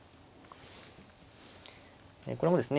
これもですね